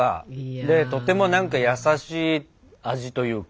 でとても何か優しい味というか。